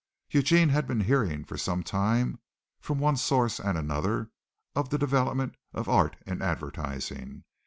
Eugene had been hearing for some time from one source and another of the development of art in advertising.